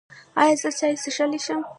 ایا زه چای څښلی شم؟